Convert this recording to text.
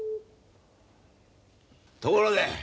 ところで！